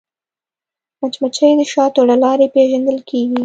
مچمچۍ د شاتو له لارې پیژندل کېږي